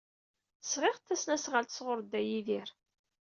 Sɣiɣ-d tasnasɣalt-a sɣur Dda Yidir.